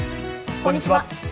こんにちは。